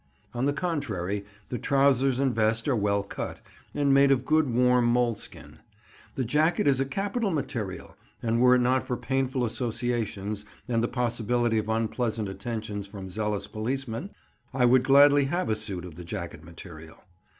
On the contrary, the trousers and vest are well cut, and made of good warm mole skin; the jacket is a capital material, and were it not for painful associations, and the possibility of unpleasant attentions from zealous policemen, I would gladly have a suit of the jacket material.